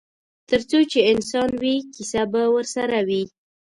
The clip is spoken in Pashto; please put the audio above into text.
ترڅو چې انسان وي کیسه به ورسره وي.